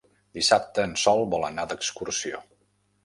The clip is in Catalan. Dissabte en Sol vol anar d'excursió.